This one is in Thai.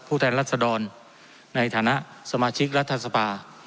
แทนรัศดรในฐานะสมาชิกรัฐสภา